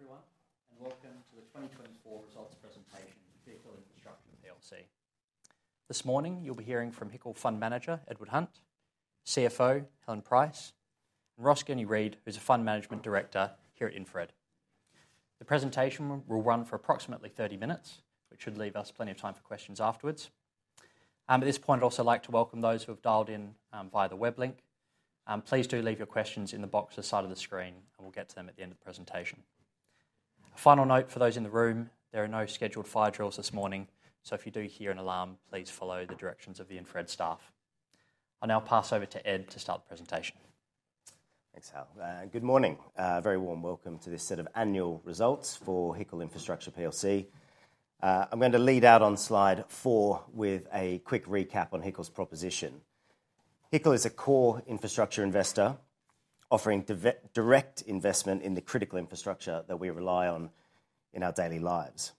Good morning, everyone, and welcome to the 2024 results presentation for HICL Infrastructure PLC. This morning, you'll be hearing from HICL Fund Manager Edward Hunt, CFO Helen Price, and Ross Gurney-Read, who's a Fund Management Director here at InfraRed. The presentation will run for approximately 30 minutes, which should leave us plenty of time for questions afterward. At this point, I'd also like to welcome those who have dialed in via the web link. Please do leave your questions in the box this side of the screen, and we'll get to them at the end of the presentation. A final note for those in the room, there are no scheduled fire drills this morning, so if you do hear an alarm, please follow the directions of the InfraRed staff. I'll now pass over to Edward to start the presentation. Thanks, Hal. Good morning. A very warm welcome to this set of annual results for HICL Infrastructure PLC. I'm going to lead out on slide four with a quick recap on HICL's proposition. HICL is a core infrastructure investor, offering direct investment in the critical infrastructure that we rely on in our daily lives.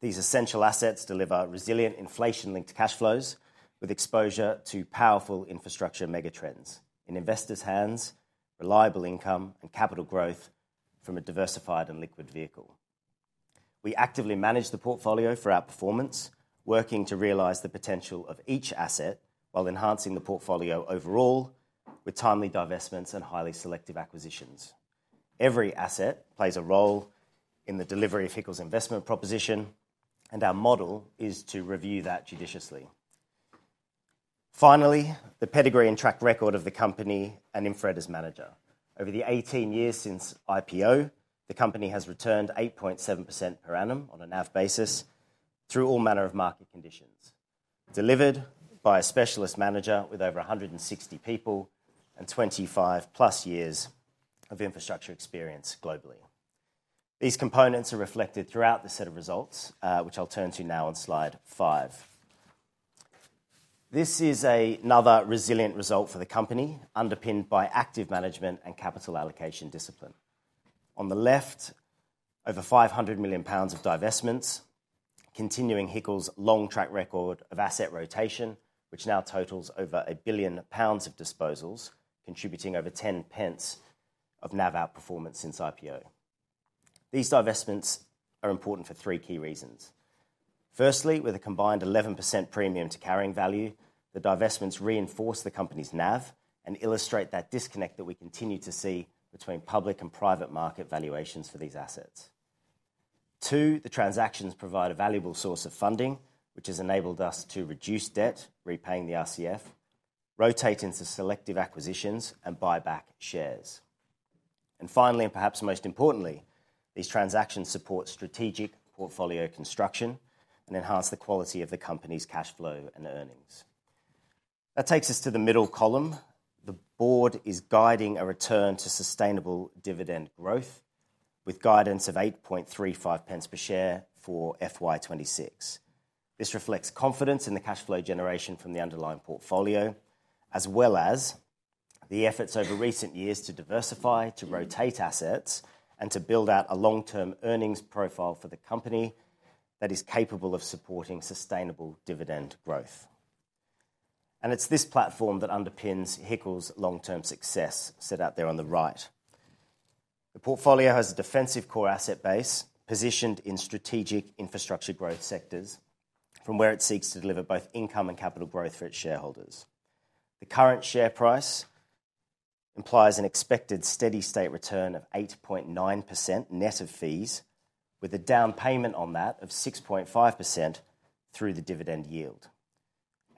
These essential assets deliver resilient, inflation-linked cash flows, with exposure to powerful infrastructure megatrends. In investors' hands, reliable income and capital growth from a diversified and liquid vehicle. We actively manage the portfolio for our performance, working to realize the potential of each asset, while enhancing the portfolio overall, with timely divestments and highly selective acquisitions. Every asset plays a role in the delivery of HICL's investment proposition, and our model is to review that judiciously. Finally, the pedigree and track record of the company and InfraRed as manager. Over the 18 years since IPO, the company has returned 8.7% per annum on a NAV basis, through all manner of market conditions, delivered by a specialist manager with over 160 people and 25+ years of infrastructure experience globally. These components are reflected throughout the set of results, which I'll turn to now on slide 5. This is another resilient result for the company, underpinned by active management and capital allocation discipline. On the left, over 500 million pounds of divestments, continuing HICL's long track record of asset rotation, which now totals over 1 billion pounds of disposals, contributing over 10 pence of NAV outperformance since IPO. These divestments are important for three key reasons. Firstly, with a combined 11% premium to carrying value, the divestments reinforce the company's NAV and illustrate that disconnect that we continue to see between public and private market valuations for these assets. Two, the transactions provide a valuable source of funding, which has enabled us to reduce debt, repaying the RCF, rotate into selective acquisitions, and buy back shares. And finally, and perhaps most importantly, these transactions support strategic portfolio construction and enhance the quality of the company's cash flow and earnings. That takes us to the middle column. The board is guiding a return to sustainable dividend growth, with guidance of 0.0835 per share for FY 2026. This reflects confidence in the cash flow generation from the underlying portfolio, as well as the efforts over recent years to diversify, to rotate assets, and to build out a long-term earnings profile for the company that is capable of supporting sustainable dividend growth. And it's this platform that underpins HICL's long-term success, set out there on the right. The portfolio has a defensive core asset base, positioned in strategic infrastructure growth sectors, from where it seeks to deliver both income and capital growth for its shareholders. The current share price implies an expected steady state return of 8.9% net of fees, with a down payment on that of 6.5% through the dividend yield.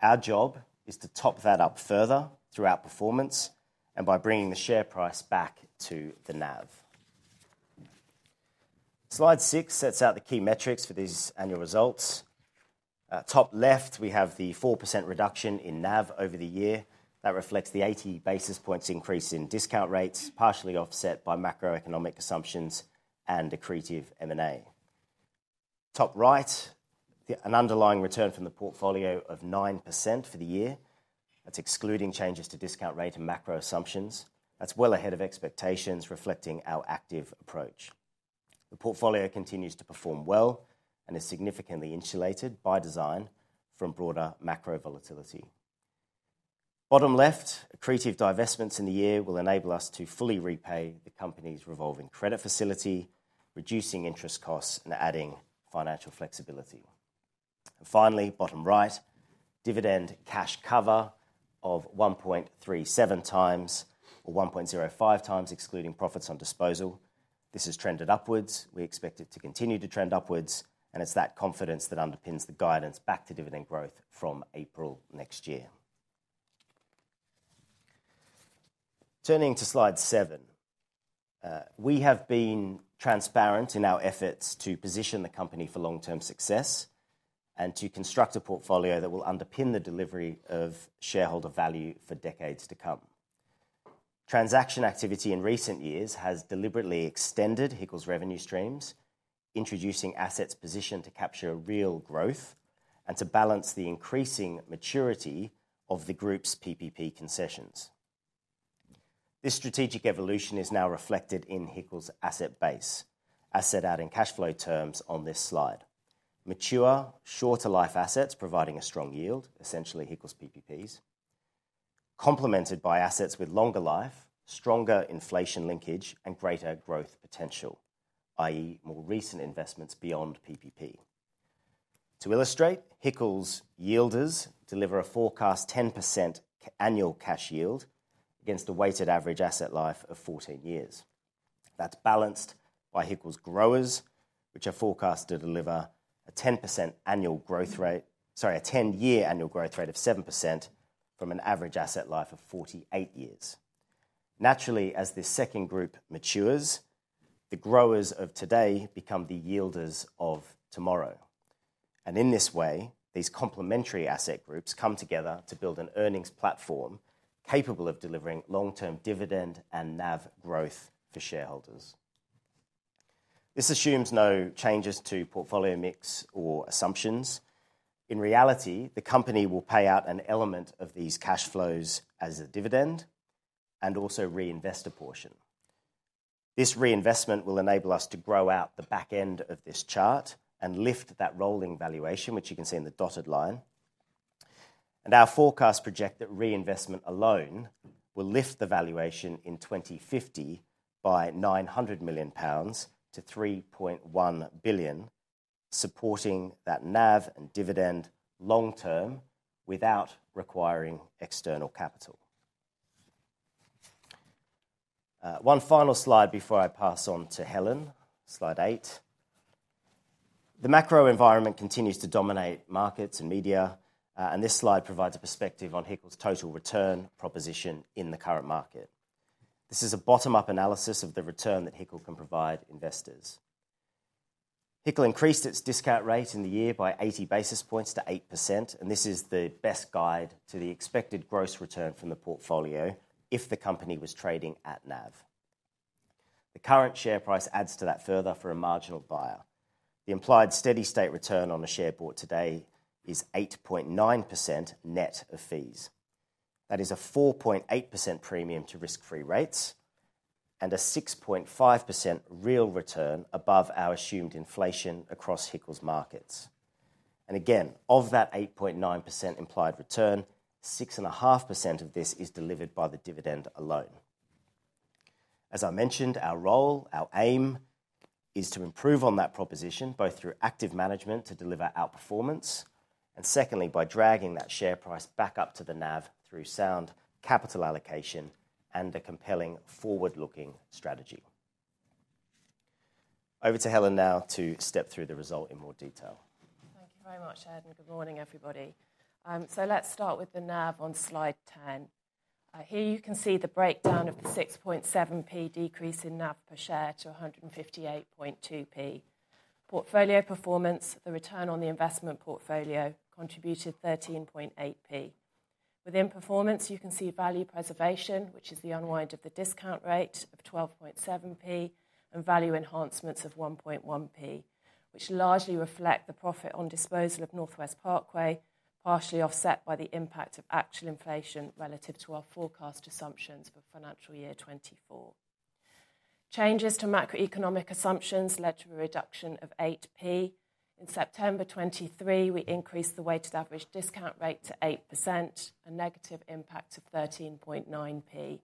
Our job is to top that up further through our performance and by bringing the share price back to the NAV. Slide 6 sets out the key metrics for these annual results. Top left, we have the 4% reduction in NAV over the year. That reflects the 80 basis points increase in discount rates, partially offset by macroeconomic assumptions and accretive M&A. Top right, an underlying return from the portfolio of 9% for the year. That's excluding changes to discount rate and macro assumptions. That's well ahead of expectations, reflecting our active approach. The portfolio continues to perform well and is significantly insulated by design from broader macro volatility. Bottom left, accretive divestments in the year will enable us to fully repay the company's revolving credit facility, reducing interest costs and adding financial flexibility. And finally, bottom right, dividend cash cover of 1.37 times, or 1.05 times, excluding profits on disposal. This has trended upwards. We expect it to continue to trend upwards, and it's that confidence that underpins the guidance back to dividend growth from April next year. Turning to Slide 7, we have been transparent in our efforts to position the company for long-term success and to construct a portfolio that will underpin the delivery of shareholder value for decades to come. Transaction activity in recent years has deliberately extended HICL's revenue streams, introducing assets positioned to capture real growth and to balance the increasing maturity of the group's PPP concessions. This strategic evolution is now reflected in HICL's asset base, as set out in cash flow terms on this slide. Mature, shorter-life assets providing a strong yield, essentially HICL's PPPs, complemented by assets with longer life, stronger inflation linkage, and greater growth potential, i.e., more recent investments beyond PPP. To illustrate, HICL's yielders deliver a forecast 10% annual cash yield against a weighted average asset life of 14 years. That's balanced by HICL's growers, which are forecast to deliver a 10% annual growth rate, sorry, a 10-year annual growth rate of 7% from an average asset life of 48 years. Naturally, as this second group matures, the growers of today become the yielders of tomorrow. And in this way, these complementary asset groups come together to build an earnings platform capable of delivering long-term dividend and NAV growth for shareholders. This assumes no changes to portfolio mix or assumptions. In reality, the company will pay out an element of these cash flows as a dividend and also reinvest a portion. This reinvestment will enable us to grow out the back end of this chart and lift that rolling valuation, which you can see in the dotted line. Our forecast project, that reinvestment alone will lift the valuation in 2050 by 900 million pounds to 3.1 billion, supporting that NAV and dividend long term without requiring external capital. One final slide before I pass on to Helen. Slide 8. The macro environment continues to dominate markets and media, and this slide provides a perspective on HICL's total return proposition in the current market. This is a bottom-up analysis of the return that HICL can provide investors. HICL increased its discount rate in the year by 80 basis points to 8%, and this is the best guide to the expected gross return from the portfolio if the company was trading at NAV. The current share price adds to that further for a marginal buyer. The implied steady state return on a share bought today is 8.9% net of fees. That is a 4.8% premium to risk-free rates and a 6.5% real return above our assumed inflation across HICL's markets. And again, of that 8.9% implied return, 6.5% of this is delivered by the dividend alone. As I mentioned, our role, our aim, is to improve on that proposition, both through active management to deliver outperformance, and secondly, by dragging that share price back up to the NAV through sound capital allocation and a compelling forward-looking strategy. Over to Helen now to step through the result in more detail. Thank you very much, Ed. Good morning, everybody. So let's start with the NAV on slide 10. Here you can see the breakdown of the 6.7p decrease in NAV per share to 158.2p. Portfolio performance, the return on the investment portfolio, contributed 13.8p. Within performance, you can see value preservation, which is the unwind of the discount rate of 12.7p, and value enhancements of 1.1p, which largely reflect the profit on disposal of Northwest Parkway, partially offset by the impact of actual inflation relative to our forecast assumptions for financial year 2024. Changes to macroeconomic assumptions led to a reduction of 8p. In September 2023, we increased the weighted average discount rate to 8%, a negative impact of 13.9p.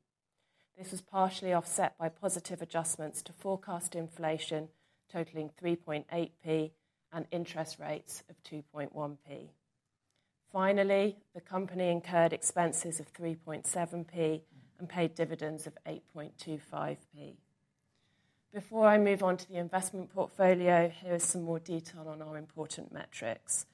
This was partially offset by positive adjustments to forecast inflation, totaling 3.8p, and interest rates of 2.1p. Finally, the company incurred expenses of 3.7p and paid dividends of 8.25p. Before I move on to the investment portfolio, here is some more detail on our important metrics.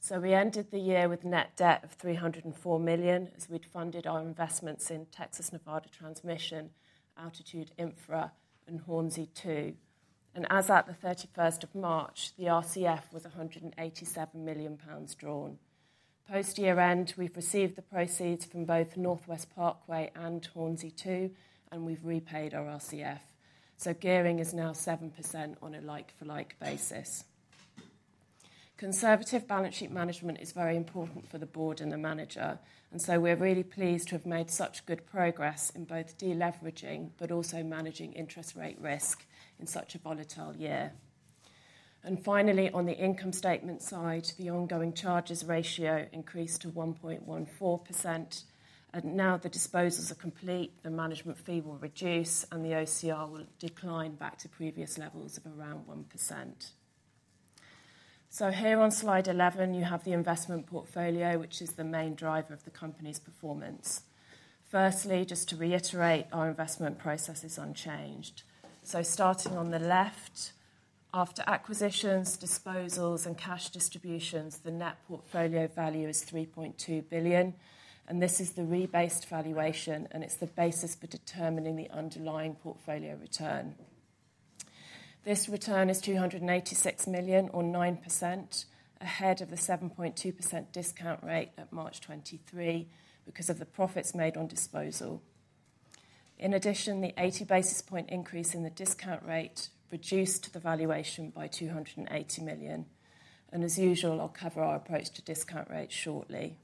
So we ended the year with net debt of 304 million, as we'd funded our investments in Texas Nevada Transmission, Altitude Infra, and Hornsea Two. And as at the thirty-first of March, the RCF was 187 million pounds drawn. Post-year-end, we've received the proceeds from both Northwest Parkway and Hornsea Two, and we've repaid our RCF, so gearing is now 7% on a like-for-like basis. Conservative balance sheet management is very important for the board and the manager, and so we're really pleased to have made such good progress in both de-leveraging, but also managing interest rate risk in such a volatile year. And finally, on the income statement side, the ongoing charges ratio increased to 1.14%, and now the disposals are complete, the management fee will reduce, and the OCR will decline back to previous levels of around 1%. So here on slide 11, you have the investment portfolio, which is the main driver of the company's performance. Firstly, just to reiterate, our investment process is unchanged. So starting on the left, after acquisitions, disposals, and cash distributions, the net portfolio value is 3.2 billion, and this is the rebased valuation, and it's the basis for determining the underlying portfolio return. This return is 286 million, or 9%, ahead of the 7.2% discount rate at March 2023 because of the profits made on disposal. In addition, the eighty basis point increase in the discount rate reduced the valuation by 280 million. As usual, I'll cover our approach to discount rate shortly.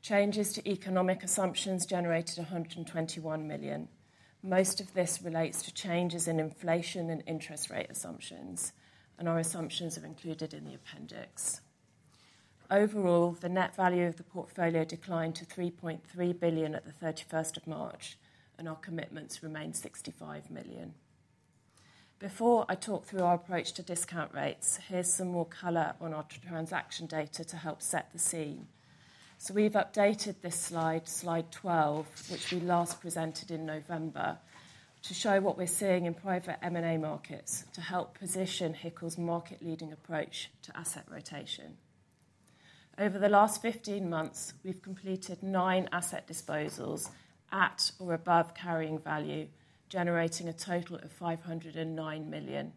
Changes to economic assumptions generated 121 million.... Most of this relates to changes in inflation and interest rate assumptions, and our assumptions are included in the appendix. Overall, the net value of the portfolio declined to 3.3 billion at the 31st of March, and our commitments remain 65 million. Before I talk through our approach to discount rates, here's some more color on our transaction data to help set the scene. So we've updated this slide, slide 12, which we last presented in November, to show what we're seeing in private M&A markets to help position HICL's market-leading approach to asset rotation. Over the last 15 months, we've completed 9 asset disposals at or above carrying value, generating a total of 509 million.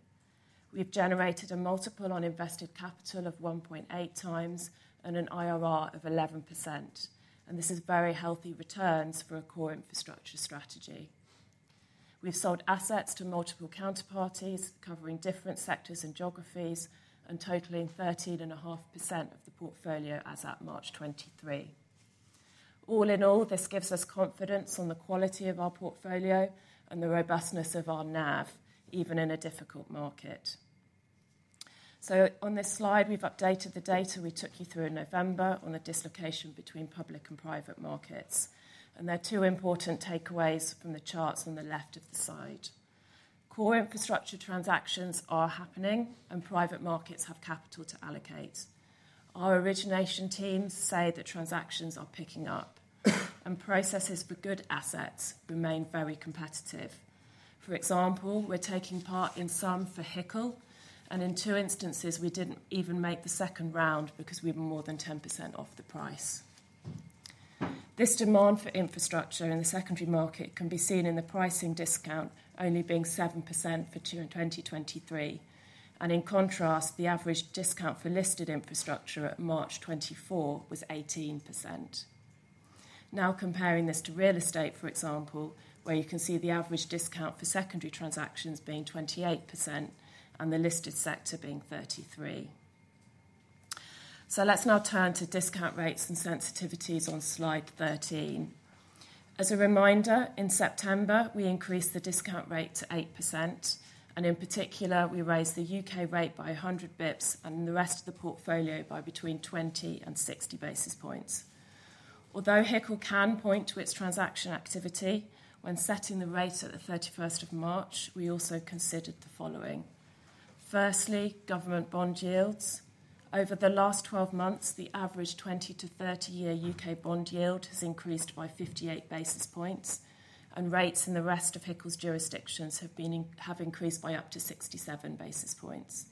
We've generated a multiple on invested capital of 1.8x and an IRR of 11%, and this is very healthy returns for a core infrastructure strategy. We've sold assets to multiple counterparties, covering different sectors and geographies, and totaling 13.5% of the portfolio as at March 2023. All in all, this gives us confidence on the quality of our portfolio and the robustness of our NAV, even in a difficult market. So on this slide, we've updated the data we took you through in November on the dislocation between public and private markets, and there are two important takeaways from the charts on the left of the slide. Core infrastructure transactions are happening, and private markets have capital to allocate. Our origination teams say that transactions are picking up, and processes for good assets remain very competitive. For example, we're taking part in some for HICL, and in two instances, we didn't even make the second round because we were more than 10% off the price. This demand for infrastructure in the secondary market can be seen in the pricing discount, only being 7% for 2022 and 2023. And in contrast, the average discount for listed infrastructure at March 2024 was 18%. Now, comparing this to real estate, for example, where you can see the average discount for secondary transactions being 28% and the listed sector being 33%. So let's now turn to discount rates and sensitivities on slide 13. As a reminder, in September, we increased the discount rate to 8%, and in particular, we raised the U.K. rate by 100 basis points and the rest of the portfolio by between 20 and 60 basis points. Although HICL can point to its transaction activity when setting the rate at the thirty-first of March, we also considered the following. Firstly, government bond yields. Over the last 12 months, the average 20- to 30-year U.K. bond yield has increased by 58 basis points, and rates in the rest of HICL's jurisdictions have increased by up to 67 basis points.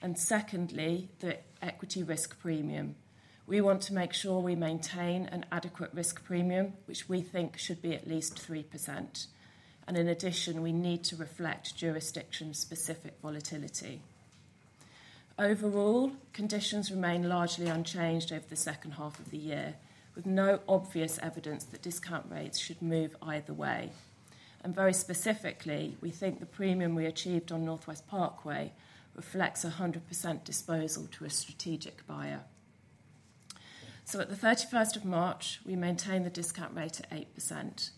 And secondly, the equity risk premium. We want to make sure we maintain an adequate risk premium, which we think should be at least 3%, and in addition, we need to reflect jurisdiction-specific volatility. Overall, conditions remain largely unchanged over the second half of the year, with no obvious evidence that discount rates should move either way. Very specifically, we think the premium we achieved on Northwest Parkway reflects a 100% disposal to a strategic buyer. At the thirty-first of March, we maintained the discount rate at 8%.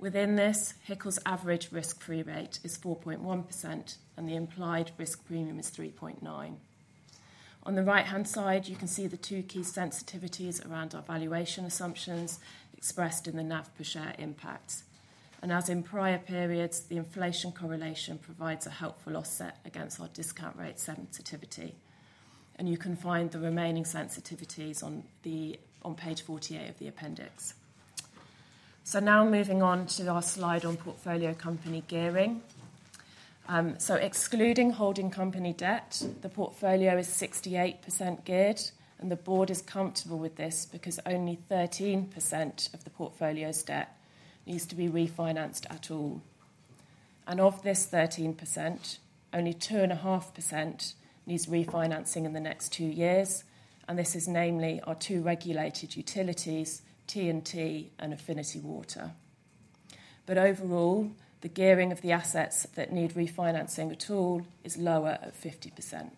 Within this, HICL's average risk-free rate is 4.1%, and the implied risk premium is 3.9. On the right-hand side, you can see the two key sensitivities around our valuation assumptions expressed in the NAV per share impact. As in prior periods, the inflation correlation provides a helpful offset against our discount rate sensitivity. You can find the remaining sensitivities on page 48 of the appendix. Now moving on to our slide on portfolio company gearing. Excluding holding company debt, the portfolio is 68% geared, and the board is comfortable with this because only 13% of the portfolio's debt needs to be refinanced at all. Of this 13%, only 2.5% needs refinancing in the next two years, and this is namely our two regulated utilities, TNT and Affinity Water. Overall, the gearing of the assets that need refinancing at all is lower at 50%.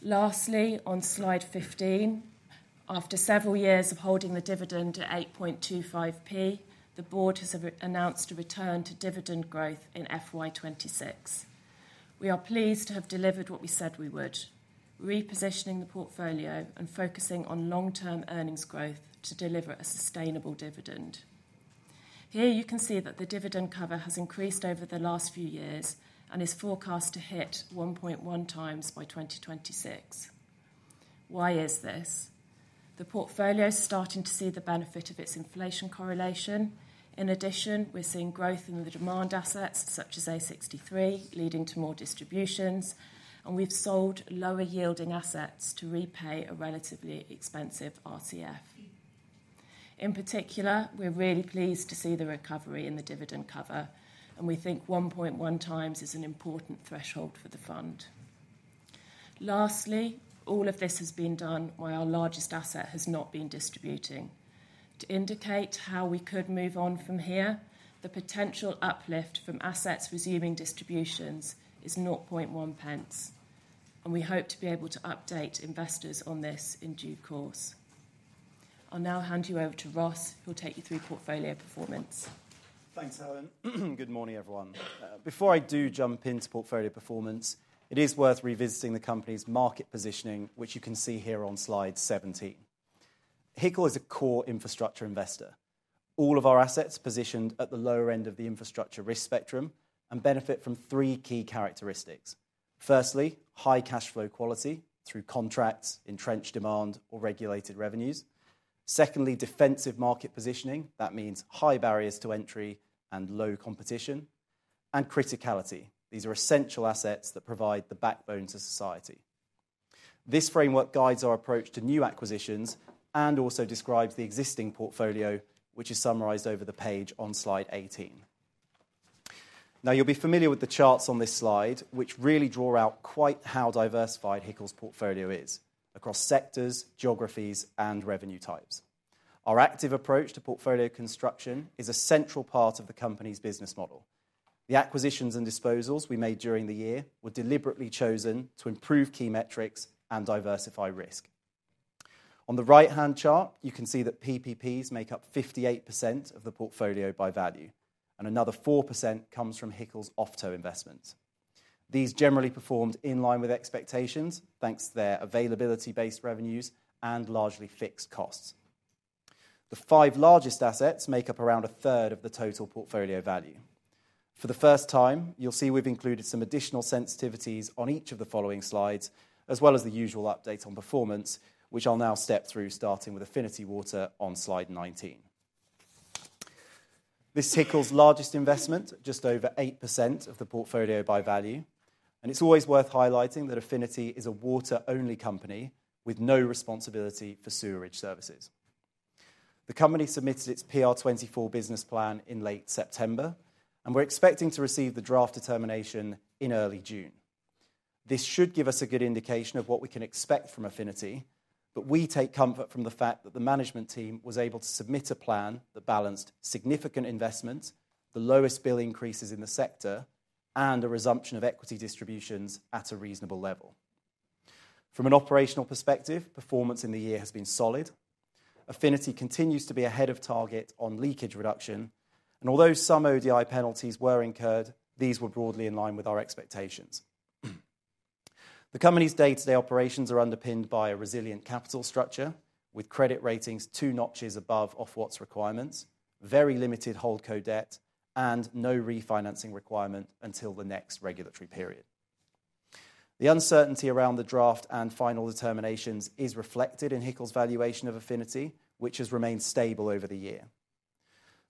Lastly, on slide 15, after several years of holding the dividend at 8.25p, the board has announced a return to dividend growth in FY 2026. We are pleased to have delivered what we said we would, repositioning the portfolio and focusing on long-term earnings growth to deliver a sustainable dividend. Here you can see that the dividend cover has increased over the last few years and is forecast to hit 1.1 times by 2026. Why is this? The portfolio is starting to see the benefit of its inflation correlation. In addition, we're seeing growth in the demand assets such as A63, leading to more distributions, and we've sold lower-yielding assets to repay a relatively expensive RCF. In particular, we're really pleased to see the recovery in the dividend cover, and we think 1.1 times is an important threshold for the fund. Lastly, all of this has been done while our largest asset has not been distributing. To indicate how we could move on from here, the potential uplift from assets resuming distributions is 0.1 pence... and we hope to be able to update investors on this in due course. I'll now hand you over to Ross, who'll take you through portfolio performance. Thanks, Helen. Good morning, everyone. Before I do jump into portfolio performance, it is worth revisiting the company's market positioning, which you can see here on slide 17. HICL is a core infrastructure investor. All of our assets positioned at the lower end of the infrastructure risk spectrum and benefit from three key characteristics. Firstly, high cash flow quality through contracts, entrenched demand or regulated revenues. Secondly, defensive market positioning. That means high barriers to entry and low competition. And criticality, these are essential assets that provide the backbone to society. This framework guides our approach to new acquisitions and also describes the existing portfolio, which is summarized over the page on slide 18. Now, you'll be familiar with the charts on this slide, which really draw out quite how diversified HICL's portfolio is across sectors, geographies, and revenue types. Our active approach to portfolio construction is a central part of the company's business model. The acquisitions and disposals we made during the year were deliberately chosen to improve key metrics and diversify risk. On the right-hand chart, you can see that PPPs make up 58% of the portfolio by value, and another 4% comes from HICL's OFTO investment. These generally performed in line with expectations, thanks to their availability-based revenues and largely fixed costs. The 5 largest assets make up around a third of the total portfolio value. For the first time, you'll see we've included some additional sensitivities on each of the following slides, as well as the usual update on performance, which I'll now step through, starting with Affinity Water on Slide 19. This is HICL's largest investment, just over 8% of the portfolio by value, and it's always worth highlighting that Affinity is a water-only company with no responsibility for sewerage services. The company submitted its PR24 business plan in late September, and we're expecting to receive the draft determination in early June. This should give us a good indication of what we can expect from Affinity, but we take comfort from the fact that the management team was able to submit a plan that balanced significant investments, the lowest bill increases in the sector, and a resumption of equity distributions at a reasonable level. From an operational perspective, performance in the year has been solid. Affinity continues to be ahead of target on leakage reduction, and although some ODI penalties were incurred, these were broadly in line with our expectations. The company's day-to-day operations are underpinned by a resilient capital structure, with credit ratings two notches above Ofwat's requirements, very limited holdco debt, and no refinancing requirement until the next regulatory period. The uncertainty around the draft and final determinations is reflected in HICL's valuation of Affinity, which has remained stable over the year.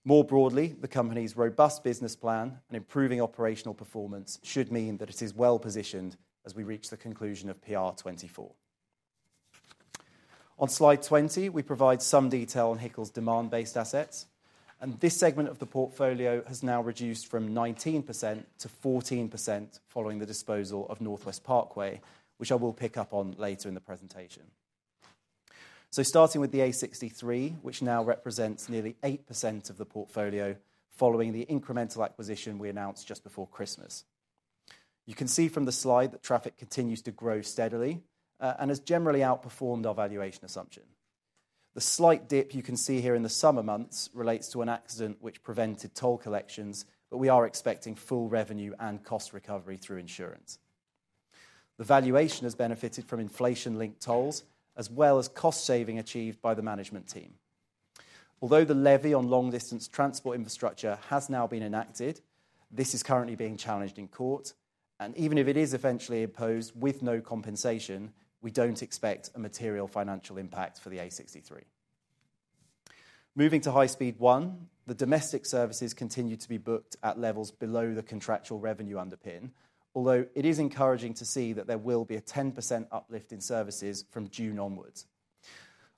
More broadly, the company's robust business plan and improving operational performance should mean that it is well-positioned as we reach the conclusion of PR24. On Slide 20, we provide some detail on HICL's demand-based assets, and this segment of the portfolio has now reduced from 19% to 14% following the disposal of Northwest Parkway, which I will pick up on later in the presentation. Starting with the A63, which now represents nearly 8% of the portfolio following the incremental acquisition we announced just before Christmas. You can see from the slide that traffic continues to grow steadily, and has generally outperformed our valuation assumption. The slight dip you can see here in the summer months relates to an accident which prevented toll collections, but we are expecting full revenue and cost recovery through insurance. The valuation has benefited from inflation-linked tolls, as well as cost saving achieved by the management team. Although the levy on long-distance transport infrastructure has now been enacted, this is currently being challenged in court, and even if it is eventually imposed with no compensation, we don't expect a material financial impact for the A63. Moving to High Speed 1, the domestic services continue to be booked at levels below the contractual revenue underpin, although it is encouraging to see that there will be a 10% uplift in services from June onwards.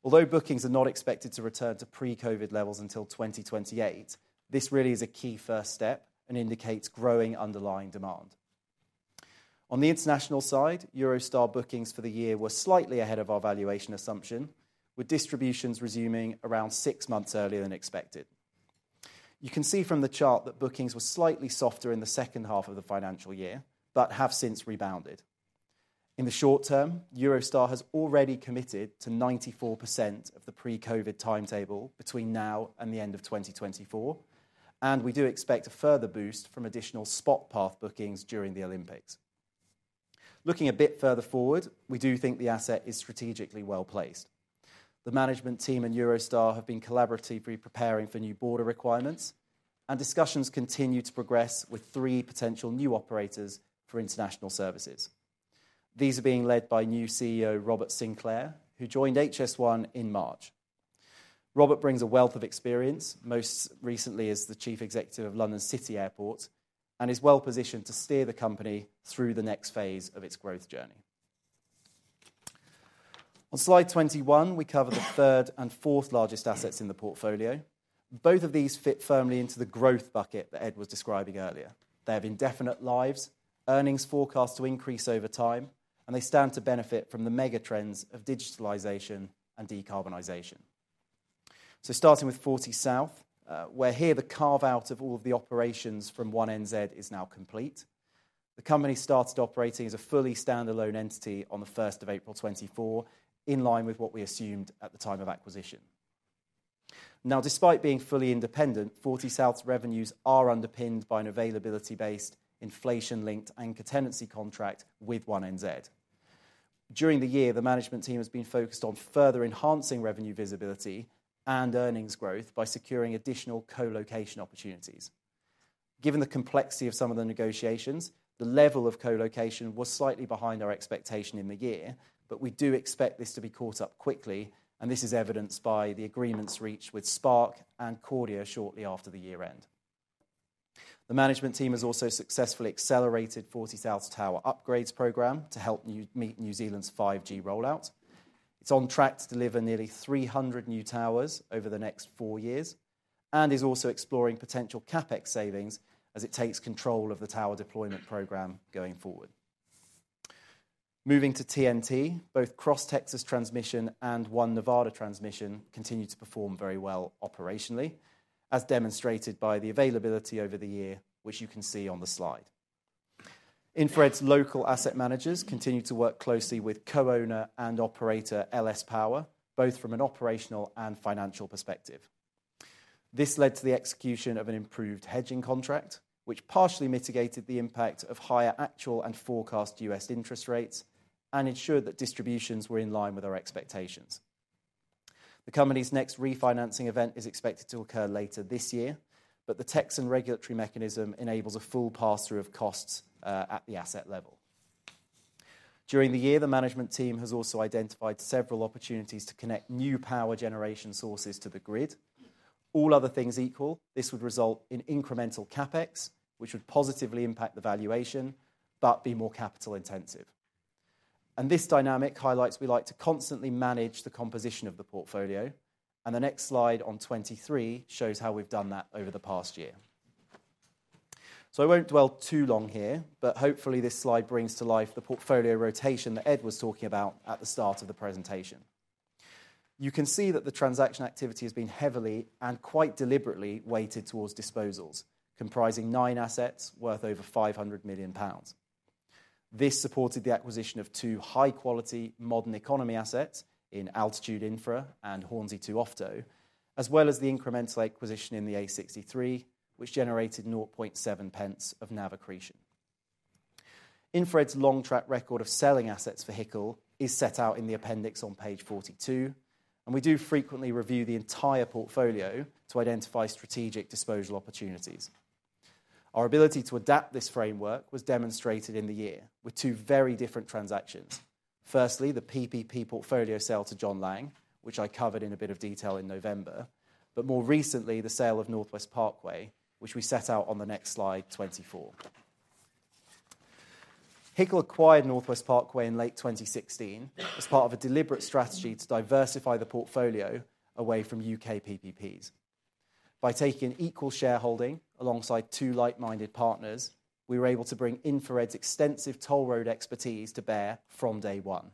Although bookings are not expected to return to pre-COVID levels until 2028, this really is a key first step and indicates growing underlying demand. On the international side, Eurostar bookings for the year were slightly ahead of our valuation assumption, with distributions resuming around six months earlier than expected. You can see from the chart that bookings were slightly softer in the second half of the financial year, but have since rebounded. In the short term, Eurostar has already committed to 94% of the pre-COVID timetable between now and the end of 2024, and we do expect a further boost from additional spot path bookings during the Olympics. Looking a bit further forward, we do think the asset is strategically well-placed. The management team and Eurostar have been collaboratively preparing for new border requirements, and discussions continue to progress with three potential new operators for international services. These are being led by new CEO, Robert Sinclair, who joined HS1 in March. Robert brings a wealth of experience, most recently as the Chief Executive of London City Airport, and is well positioned to steer the company through the next phase of its growth journey. On Slide 21, we cover the third and fourth largest assets in the portfolio. Both of these fit firmly into the growth bucket that Ed was describing earlier. They have indefinite lives, earnings forecast to increase over time, and they stand to benefit from the mega trends of digitalization and decarbonization. So starting with FortySouth, where here the carve-out of all of the operations from One NZ is now complete. The company started operating as a fully standalone entity on the first of April 2024, in line with what we assumed at the time of acquisition. Now, despite being fully independent, FortySouth's revenues are underpinned by an availability-based, inflation-linked anchor tenancy contract with One NZ. During the year, the management team has been focused on further enhancing revenue visibility and earnings growth by securing additional co-location opportunities. Given the complexity of some of the negotiations, the level of co-location was slightly behind our expectation in the year, but we do expect this to be caught up quickly, and this is evidenced by the agreements reached with Spark and Kordia shortly after the year end. The management team has also successfully accelerated FortySouth's tower upgrades program to help One NZ meet New Zealand's 5G rollout. It's on track to deliver nearly 300 new towers over the next four years and is also exploring potential CapEx savings as it takes control of the tower deployment program going forward. Moving to TNT, both Cross Texas Transmission and One Nevada Transmission continue to perform very well operationally, as demonstrated by the availability over the year, which you can see on the slide. InfraRed's local asset managers continue to work closely with co-owner and operator LS Power, both from an operational and financial perspective. This led to the execution of an improved hedging contract, which partially mitigated the impact of higher actual and forecast US interest rates and ensured that distributions were in line with our expectations. The company's next refinancing event is expected to occur later this year, but the Texan regulatory mechanism enables a full pass-through of costs, at the asset level. During the year, the management team has also identified several opportunities to connect new power generation sources to the grid. All other things equal, this would result in incremental CapEx, which would positively impact the valuation but be more capital intensive. This dynamic highlights we like to constantly manage the composition of the portfolio, and the next slide on 23 shows how we've done that over the past year. I won't dwell too long here, but hopefully, this slide brings to life the portfolio rotation that Ed was talking about at the start of the presentation. You can see that the transaction activity has been heavily and quite deliberately weighted towards disposals, comprising 9 assets worth over 500 million pounds. This supported the acquisition of 2 high-quality, modern economy assets in Altitude Infra and Hornsea Two OFTO, as well as the incremental acquisition in the A63, which generated 0.7 pence of NAV accretion. InfraRed's long track record of selling assets for HICL is set out in the appendix on page 42, and we do frequently review the entire portfolio to identify strategic disposal opportunities. Our ability to adapt this framework was demonstrated in the year with two very different transactions. Firstly, the PPP portfolio sale to John Laing, which I covered in a bit of detail in November, but more recently, the sale of Northwest Parkway, which we set out on the next slide, 24. HICL acquired Northwest Parkway in late 2016 as part of a deliberate strategy to diversify the portfolio away from UK PPPs. By taking an equal shareholding alongside two like-minded partners, we were able to bring InfraRed's extensive toll road expertise to bear from day one.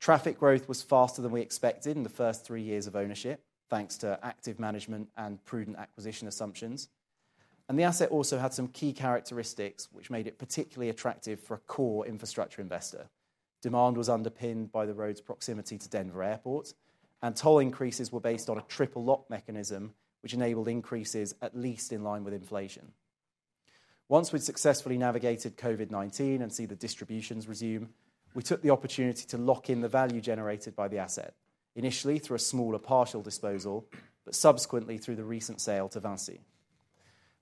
Traffic growth was faster than we expected in the first three years of ownership, thanks to active management and prudent acquisition assumptions, and the asset also had some key characteristics which made it particularly attractive for a core infrastructure investor. Demand was underpinned by the road's proximity to Denver Airport, and toll increases were based on a triple lock mechanism, which enabled increases at least in line with inflation. Once we'd successfully navigated COVID-19 and seen the distributions resume, we took the opportunity to lock in the value generated by the asset, initially through a smaller partial disposal, but subsequently through the recent sale to Vinci.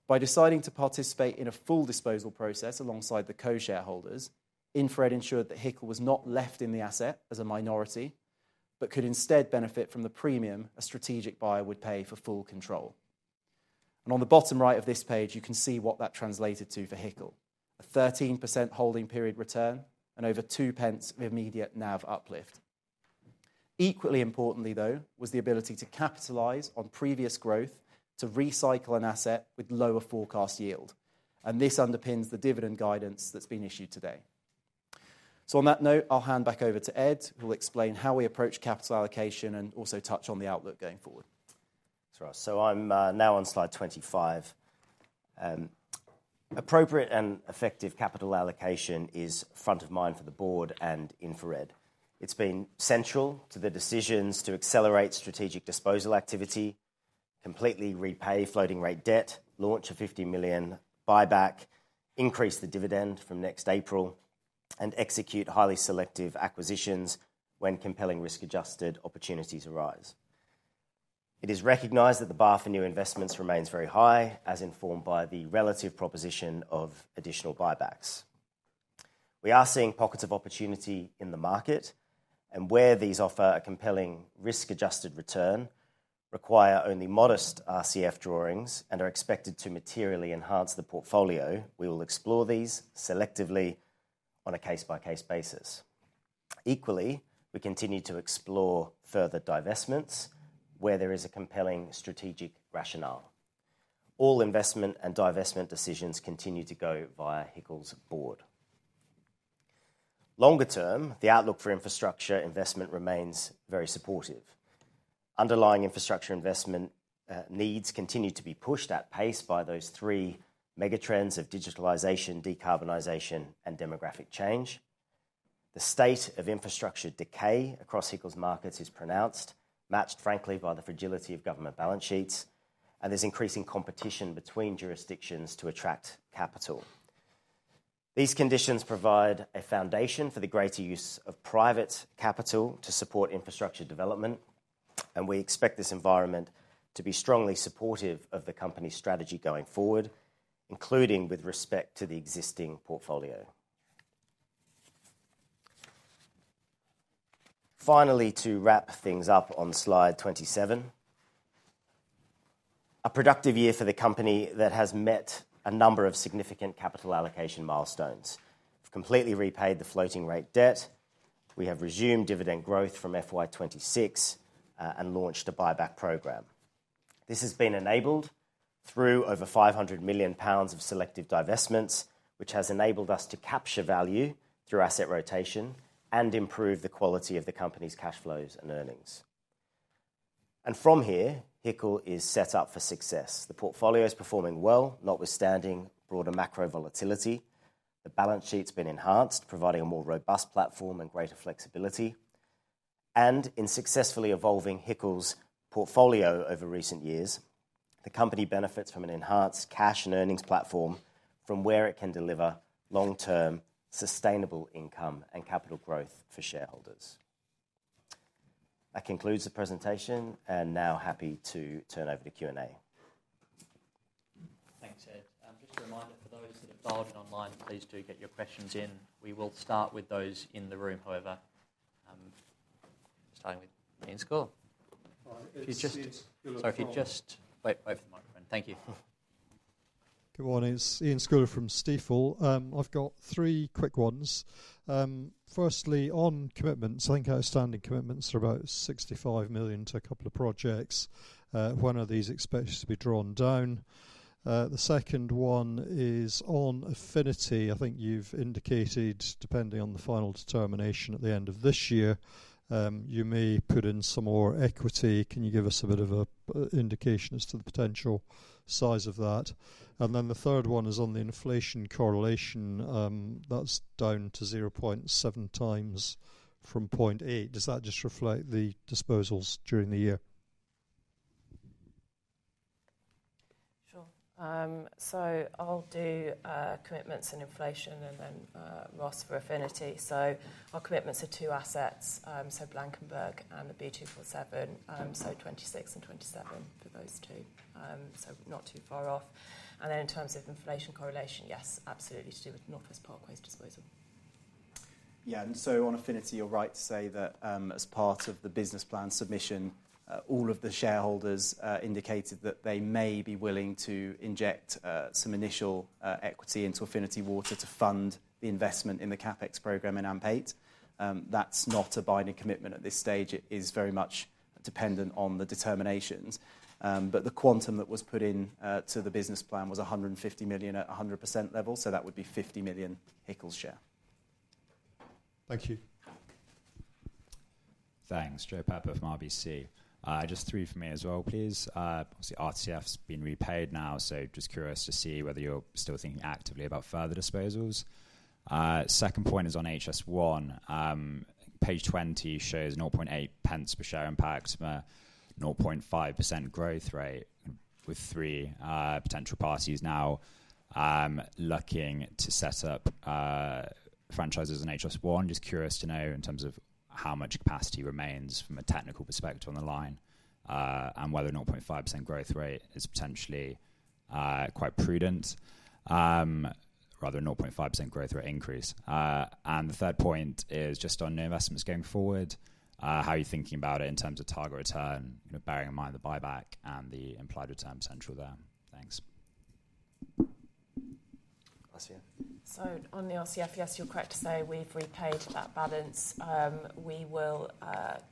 By deciding to participate in a full disposal process alongside the co-shareholders, InfraRed ensured that HICL was not left in the asset as a minority but could instead benefit from the premium a strategic buyer would pay for full control. On the bottom right of this page, you can see what that translated to for HICL: a 13% holding period return and over 0.02 of immediate NAV uplift. Equally importantly, though, was the ability to capitalize on previous growth to recycle an asset with lower forecast yield, and this underpins the dividend guidance that's been issued today. On that note, I'll hand back over to Ed, who will explain how we approach capital allocation and also touch on the outlook going forward. Thanks, Ross. So I'm now on slide 25. Appropriate and effective capital allocation is front of mind for the board and InfraRed. It's been central to the decisions to accelerate strategic disposal activity, completely repay floating rate debt, launch a 50 million buyback, increase the dividend from next April, and execute highly selective acquisitions when compelling risk-adjusted opportunities arise. It is recognized that the bar for new investments remains very high, as informed by the relative proposition of additional buybacks. We are seeing pockets of opportunity in the market, and where these offer a compelling risk-adjusted return, require only modest RCF drawings, and are expected to materially enhance the portfolio, we will explore these selectively on a case-by-case basis. Equally, we continue to explore further divestments where there is a compelling strategic rationale. All investment and divestment decisions continue to go via HICL's board. Longer term, the outlook for infrastructure investment remains very supportive. Underlying infrastructure investment needs continue to be pushed at pace by those three mega trends of digitalization, decarbonization, and demographic change. The state of infrastructure decay across HICL's markets is pronounced, matched frankly, by the fragility of government balance sheets, and there's increasing competition between jurisdictions to attract capital. These conditions provide a foundation for the greater use of private capital to support infrastructure development, and we expect this environment to be strongly supportive of the company's strategy going forward, including with respect to the existing portfolio. Finally, to wrap things up on slide 27, a productive year for the company that has met a number of significant capital allocation milestones. We've completely repaid the floating rate debt. We have resumed dividend growth from FY 2026 and launched a buyback program. This has been enabled through over 500 million pounds of selective divestments, which has enabled us to capture value through asset rotation and improve the quality of the company's cash flows and earnings. From here, HICL is set up for success. The portfolio is performing well, notwithstanding broader macro volatility. The balance sheet's been enhanced, providing a more robust platform and greater flexibility. In successfully evolving HICL's portfolio over recent years, the company benefits from an enhanced cash and earnings platform from where it can deliver long-term, sustainable income and capital growth for shareholders. That concludes the presentation, and now happy to turn over to Q&A. Thanks, Ed. Just a reminder for those that are dialed in online, please do get your questions in. We will start with those in the room, however, starting with Iain Scouller. Hi, it's Iain Scouller from- Sorry, if you just wait, wait for the microphone. Thank you. Good morning, it's Iain Scouller from Stifel. I've got three quick ones. Firstly, on commitments, I think outstanding commitments are about 65 million to a couple of projects. When are these expected to be drawn down? The second one is on Affinity. I think you've indicated, depending on the final determination at the end of this year, you may put in some more equity. Can you give us a bit of an indication as to the potential size of that? And then the third one is on the inflation correlation. That's down to 0.7 times from 0.8. Does that just reflect the disposals during the year? Sure. So I'll do commitments and inflation and then Ross for Affinity. So our commitments are two assets, so Blankenburg and the B247, so 2026 and 2027 for those two. So not too far off. And then in terms of inflation correlation, yes, absolutely to do with Northwest Parkway's disposal. Yeah, and so on Affinity, you're right to say that, as part of the business plan submission, all of the shareholders indicated that they may be willing to inject some initial equity into Affinity Water to fund the investment in the CapEx program in AMP8. That's not a binding commitment at this stage. It is very much dependent on the determinations. But the quantum that was put in to the business plan was 150 million at a 100% level, so that would be 50 million HICL's share. Thank you. Thanks. Joe Pepper from RBC. Just three for me as well, please. Obviously, RCF's been repaid now, so just curious to see whether you're still thinking actively about further disposals. Second point is on HS1. Page 20 shows 0.8 pence per share impact, 0.5% growth rate with three potential parties now looking to set up franchises on HS1. Just curious to know in terms of how much capacity remains from a technical perspective on the line, and whether a 0.5% growth rate is potentially quite prudent, rather a 0.5% growth rate increase. And the third point is just on new investments going forward, how are you thinking about it in terms of target return, you know, bearing in mind the buyback and the implied return central there? Thanks. Helen? So on the RCF, yes, you're correct to say we've repaid that balance. We will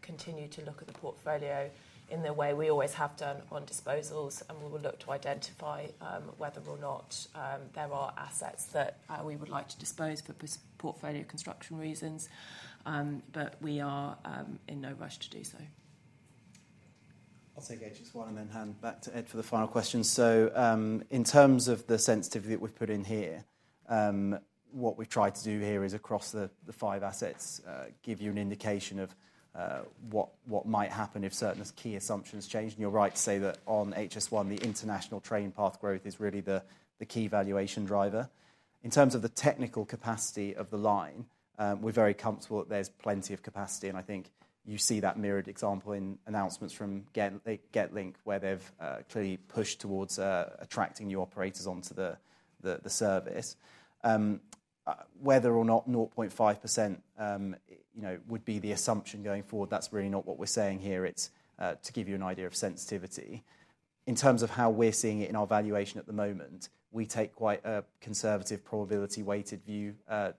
continue to look at the portfolio in the way we always have done on disposals, and we will look to identify whether or not there are assets that we would like to dispose for portfolio construction reasons, but we are in no rush to do so. I'll take HS1 and then hand back to Ed for the final question. So, in terms of the sensitivity that we've put in here, what we've tried to do here is across the five assets, give you an indication of what might happen if certain key assumptions change. And you're right to say that on HS1, the international train path growth is really the key valuation driver. In terms of the technical capacity of the line, we're very comfortable that there's plenty of capacity, and I think you see that mirrored example in announcements from Getlink, where they've clearly pushed towards attracting new operators onto the service. Whether or not 0.5%, you know, would be the assumption going forward, that's really not what we're saying here. It's to give you an idea of sensitivity. In terms of how we're seeing it in our valuation at the moment, we take quite a conservative probability-weighted view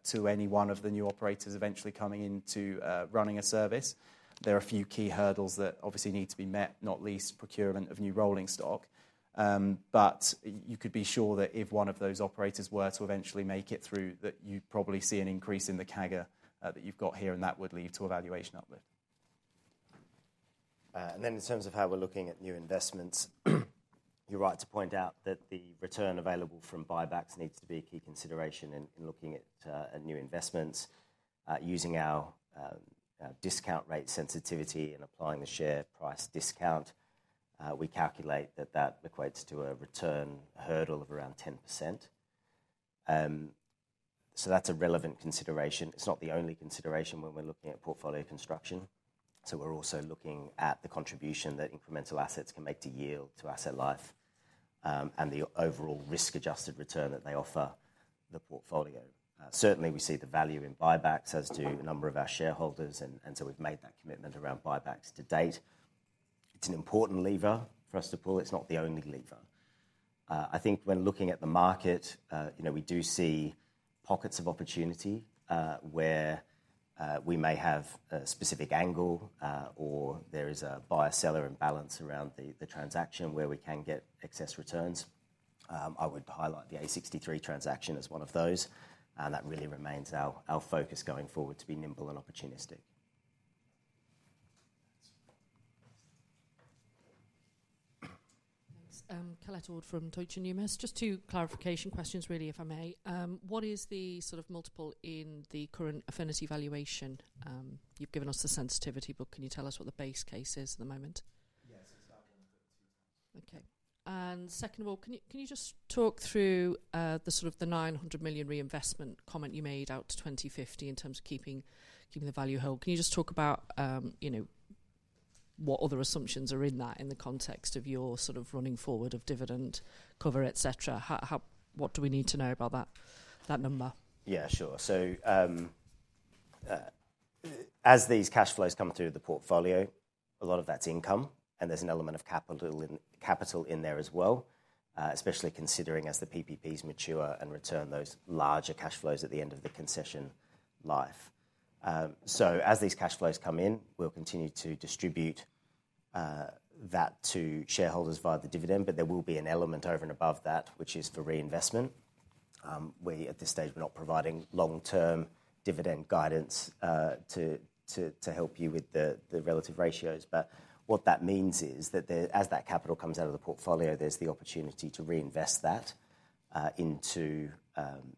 to any one of the new operators eventually coming into running a service. There are a few key hurdles that obviously need to be met, not least procurement of new rolling stock. But you could be sure that if one of those operators were to eventually make it through, that you'd probably see an increase in the CAGR that you've got here, and that would lead to a valuation uplift. And then in terms of how we're looking at new investments, you're right to point out that the return available from buybacks needs to be a key consideration in looking at new investments. Using our discount rate sensitivity and applying the share price discount, we calculate that that equates to a return hurdle of around 10%. So that's a relevant consideration. It's not the only consideration when we're looking at portfolio construction. So we're also looking at the contribution that incremental assets can make to yield to asset life, and the overall risk-adjusted return that they offer the portfolio. Certainly, we see the value in buybacks, as do a number of our shareholders, and, and so we've made that commitment around buybacks to date. It's an important lever for us to pull. It's not the only lever. I think when looking at the market, you know, we do see pockets of opportunity, where we may have a specific angle, or there is a buyer-seller imbalance around the, the transaction where we can get excess returns. I would highlight the A63 transaction as one of those, and that really remains our, our focus going forward, to be nimble and opportunistic. Thanks. Colette Ord from Deutsche Numis. Just two clarification questions, really, if I may. What is the sort of multiple in the current Affinity valuation? You've given us the sensitivity, but can you tell us what the base case is at the moment? Yes, it's about 1.2x. Okay. And second of all, can you, can you just talk through the sort of the 900 million reinvestment comment you made out to 2050 in terms of keeping, keeping the value whole? Can you just talk about, you know, what other assumptions are in that in the context of your sort of running forward of dividend cover, et cetera? How... What do we need to know about that, that number? Yeah, sure. So, as these cash flows come through the portfolio, a lot of that's income, and there's an element of capital in, capital in there as well, especially considering as the PPPs mature and return those larger cash flows at the end of the concession life. So as these cash flows come in, we'll continue to distribute that to shareholders via the dividend, but there will be an element over and above that, which is for reinvestment. At this stage, we're not providing long-term dividend guidance to help you with the relative ratios. But what that means is that as that capital comes out of the portfolio, there's the opportunity to reinvest that into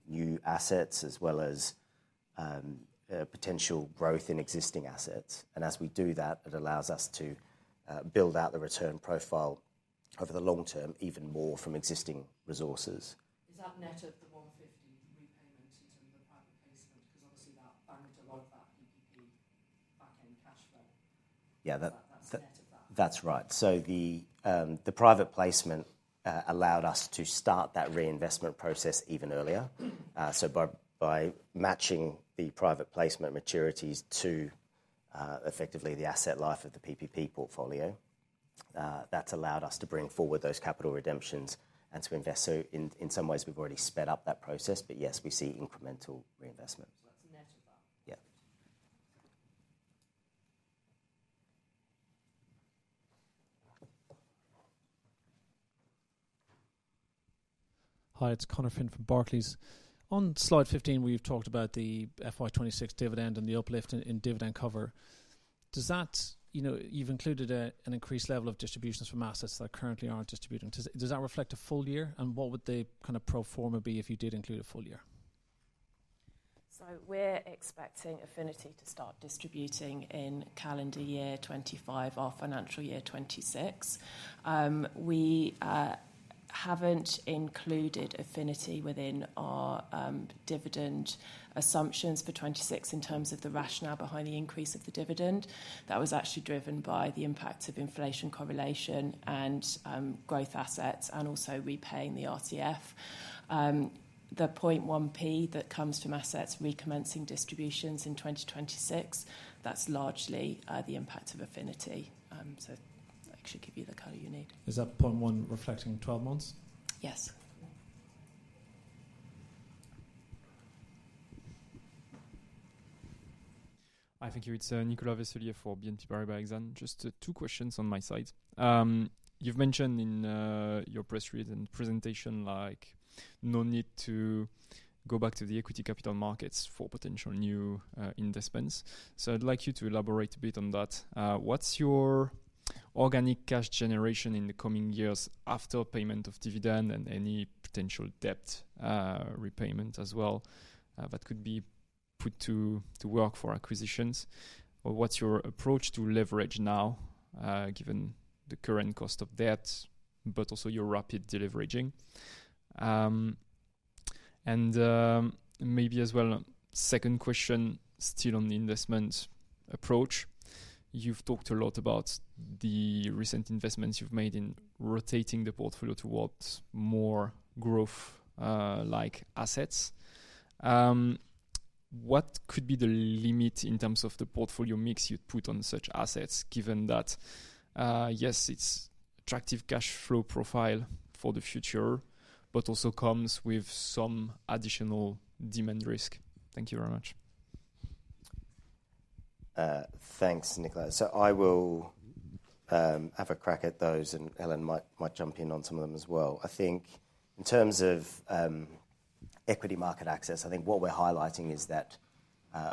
new assets as well as potential growth in existing assets. As we do that, it allows us to build out the return profile over the long term, even more from existing resources. Is that net of the GBP 150 repayment in terms of the private placement? Because obviously, that banked a lot of that PPP back-end cash flow. Yeah, that- So that's net of that. That's right. So the private placement allowed us to start that reinvestment process even earlier. So by matching the private placement maturities to effectively the asset life of the PPP portfolio, that's allowed us to bring forward those capital redemptions and to invest. So in some ways, we've already sped up that process, but yes, we see incremental reinvestment. So that's net of that? Yeah. Hi, it's Conor Finn from Barclays. On slide 15, where you've talked about the FY 2026 dividend and the uplift in dividend cover, does that... You know, you've included an increased level of distributions from assets that currently aren't distributed. Does that reflect a full year, and what would the kind of pro forma be if you did include a full year? So we're expecting Affinity to start distributing in calendar year 2025 or financial year 2026. We haven't included Affinity within our dividend assumptions for 2026 in terms of the rationale behind the increase of the dividend. That was actually driven by the impact of inflation correlation and growth assets and also repaying the RCF. The 0.1p that comes from assets recommencing distributions in 2026, that's largely the impact of Affinity. So that should give you the color you need. Is that 0.1 reflecting 12 months? Yes. Hi, thank you. It's Nicolas Veslier for BNP Paribas Exane. Just two questions on my side. You've mentioned in your press release and presentation, like, no need to go back to the equity capital markets for potential new investments. So I'd like you to elaborate a bit on that. What's your organic cash generation in the coming years after payment of dividend and any potential debt repayment as well that could be put to work for acquisitions? Or what's your approach to leverage now, given the current cost of debt, but also your rapid deleveraging? And maybe as well, second question, still on the investment approach. You've talked a lot about the recent investments you've made in rotating the portfolio towards more growth, like assets. What could be the limit in terms of the portfolio mix you'd put on such assets, given that, yes, it's attractive cash flow profile for the future, but also comes with some additional demand risk? Thank you very much. Thanks, Nicolas. So I will have a crack at those, and Helen might jump in on some of them as well. I think in terms of equity market access, I think what we're highlighting is that,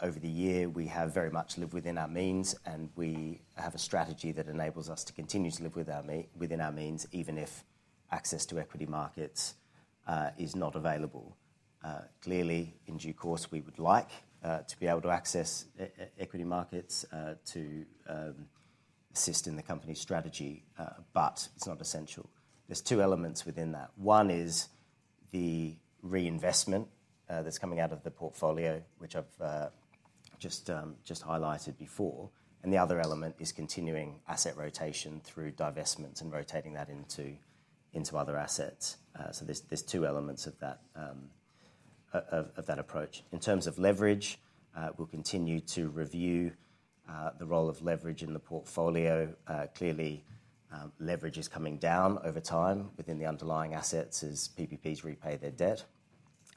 over the year we have very much lived within our means, and we have a strategy that enables us to continue to live within our means, even if access to equity markets is not available. Clearly, in due course, we would like to be able to access equity markets to assist in the company's strategy, but it's not essential. There's two elements within that. One is the reinvestment that's coming out of the portfolio, which I've just highlighted before, and the other element is continuing asset rotation through divestments and rotating that into other assets. So there's two elements of that approach. In terms of leverage, we'll continue to review the role of leverage in the portfolio. Clearly, leverage is coming down over time within the underlying assets as PPPs repay their debt.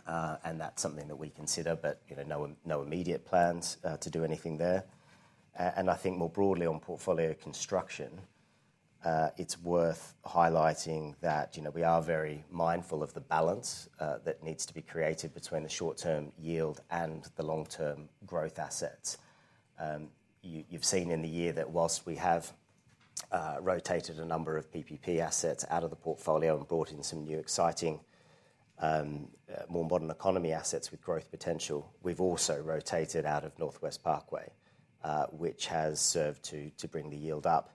And that's something that we consider, but, you know, no immediate plans to do anything there. And I think more broadly on portfolio construction, it's worth highlighting that, you know, we are very mindful of the balance that needs to be created between the short-term yield and the long-term growth assets. You've seen in the year that while we have rotated a number of PPP assets out of the portfolio and brought in some new exciting more modern economy assets with growth potential, we've also rotated out of Northwest Parkway, which has served to bring the yield up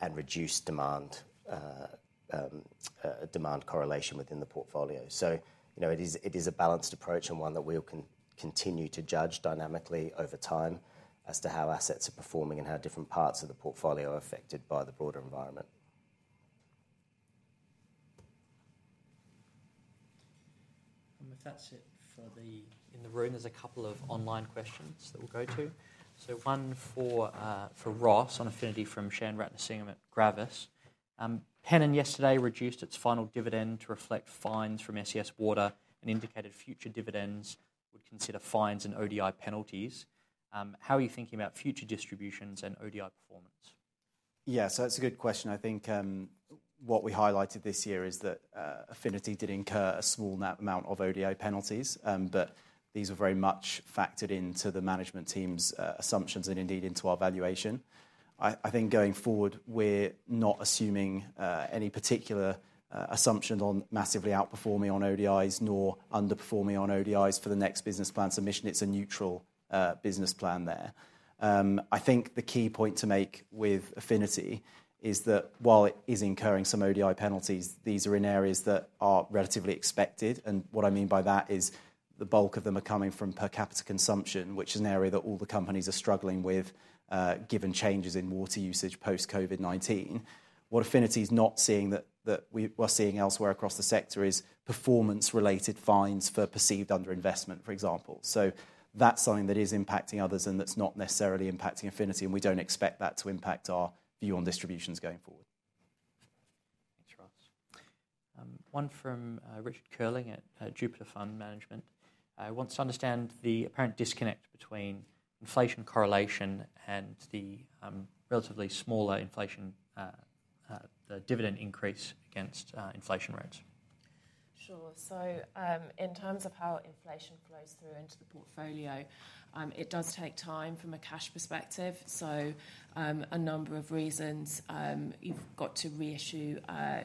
and reduce a demand correlation within the portfolio. You know, it is a balanced approach and one that we'll continue to judge dynamically over time as to how assets are performing and how different parts of the portfolio are affected by the broader environment. If that's it for the... in the room, there's a couple of online questions that we'll go to. So one for Ross on Affinity from Shayan Ratnasingam at Gravis. Pennon yesterday reduced its final dividend to reflect fines from SES Water and indicated future dividends would consider fines and ODI penalties. How are you thinking about future distributions and ODI performance? Yeah, so that's a good question. I think, what we highlighted this year is that, Affinity did incur a small amount of ODI penalties, but these were very much factored into the management team's, assumptions and indeed into our valuation. I think going forward, we're not assuming, any particular, assumption on massively outperforming on ODIs, nor underperforming on ODIs for the next business plan submission. It's a neutral, business plan there. I think the key point to make with Affinity is that while it is incurring some ODI penalties, these are in areas that are relatively expected. And what I mean by that is the bulk of them are coming from per capita consumption, which is an area that all the companies are struggling with, given changes in water usage post COVID-19. What Affinity is not seeing, that we are seeing elsewhere across the sector is performance-related fines for perceived underinvestment, for example. So that's something that is impacting others and that's not necessarily impacting Affinity, and we don't expect that to impact our view on distributions going forward. Thanks, Ross. One from Richard Curling at Jupiter Fund Management wants to understand the apparent disconnect between inflation correlation and the relatively smaller inflation the dividend increase against inflation rates. Sure. So, in terms of how inflation flows through into the portfolio, it does take time from a cash perspective. So, a number of reasons. You've got to reissue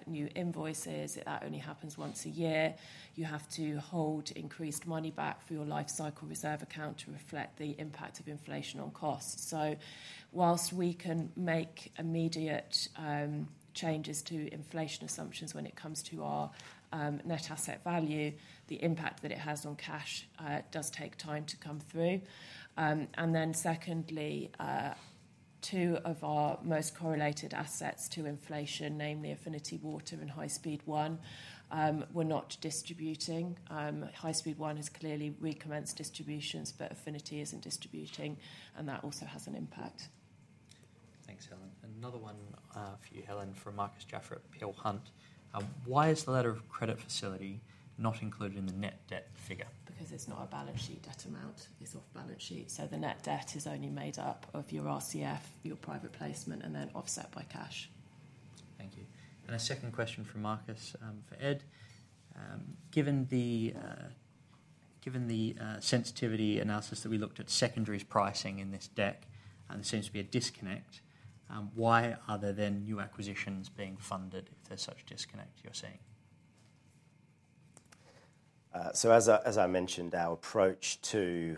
new invoices. That only happens once a year. You have to hold increased money back for your life cycle reserve account to reflect the impact of inflation on costs. So whilst we can make immediate changes to inflation assumptions when it comes to our net asset value, the impact that it has on cash does take time to come through. And then secondly, two of our most correlated assets to inflation, namely Affinity Water and High Speed 1, were not distributing. High Speed1 has clearly recommenced distributions, but Affinity isn't distributing, and that also has an impact. Thanks, Helen. Another one, for you, Helen, from Marcus Jaffe at Peel Hunt. Why is the letter of credit facility not included in the net debt figure? Because it's not a balance sheet debt amount. It's off balance sheet. So the net debt is only made up of your RCF, your private placement, and then offset by cash. Thank you. And a second question from Marcus, for Ed. Given the sensitivity analysis that we looked at secondaries pricing in this deck, and there seems to be a disconnect, why are there then new acquisitions being funded if there's such a disconnect you're seeing? So as I mentioned, our approach to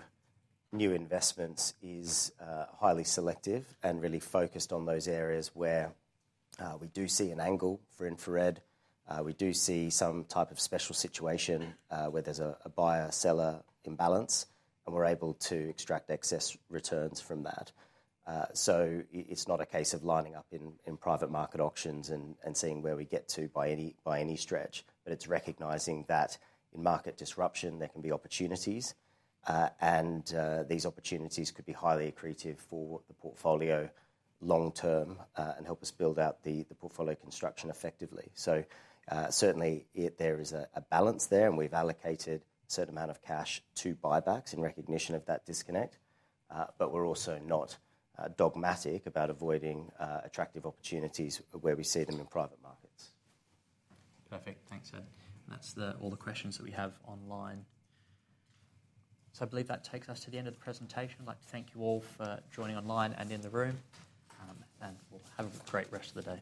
new investments is highly selective and really focused on those areas where we do see an angle for InfraRed. We do see some type of special situation where there's a buyer-seller imbalance, and we're able to extract excess returns from that. So it's not a case of lining up in private market auctions and seeing where we get to by any stretch, but it's recognizing that in market disruption, there can be opportunities, and these opportunities could be highly accretive for the portfolio long term, and help us build out the portfolio construction effectively. So certainly there is a balance there, and we've allocated a certain amount of cash to buybacks in recognition of that disconnect. But we're also not dogmatic about avoiding attractive opportunities where we see them in private markets. Perfect. Thanks, Ed. That's all the questions that we have online. So I believe that takes us to the end of the presentation. I'd like to thank you all for joining online and in the room, and have a great rest of the day.